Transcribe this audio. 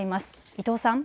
伊藤さん。